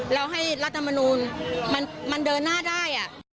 เราให้รัฐมนูลมันเดินหน้าได้